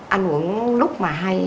ăn uống lúc mà hay